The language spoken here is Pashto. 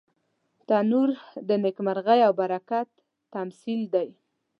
تنور د نیکمرغۍ او برکت تمثیل دی